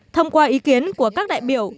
thông qua ý kiến của các đại biểu